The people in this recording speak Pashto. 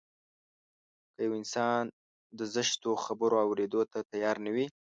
که يو انسان د زشتو خبرو اورېدو ته تيار نه وي.